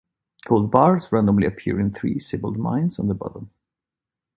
Gold bars randomly appear in three seabed mines on the bottom.